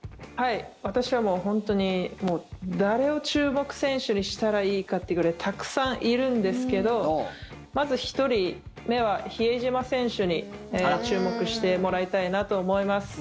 私は本当にもう誰を注目選手にしたらいいかというくらいたくさんいるんですけどまず１人目は比江島選手に注目してもらいたいなと思います。